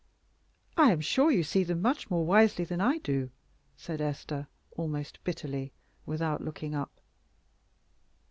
"I am sure you see them much more wisely than I do!" said Esther, almost bitterly, without looking up.